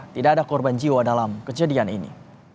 tidak ada korban jiwa dalam kejadian ini